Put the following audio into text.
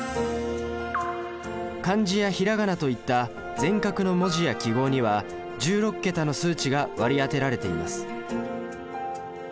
漢字やひらがなといった全角の文字や記号には１６桁の数値が割り当てられています